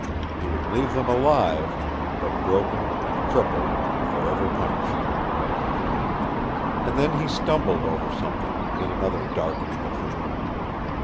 He would leave them alive, but broken and crippled and forever punished. And then he stumbled over something in another darkening of the moon.